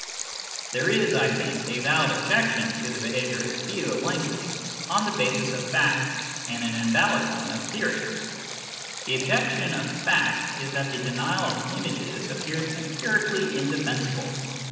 There is, I think, a valid objection to the behaviouristic view of language on the basis of fact and an invalid one of theory. The objection of fact is that the denial of images appears empirically indefensible.